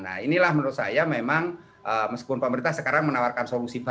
nah inilah menurut saya memang meskipun pemerintah sekarang menawarkan solusi baru